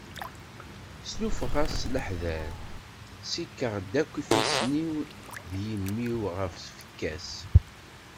Slufeɣ-as s leḥder, sikkeɣ-d akk ifassen-iw d yimi-w ɣef tfekka-s.